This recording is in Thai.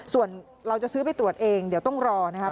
ส่วนเราจะซื้อไปตรวจเองเดี๋ยวต้องรอนะครับ